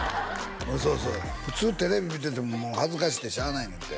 そうそう普通テレビ見てても恥ずかしくてしゃあないねんて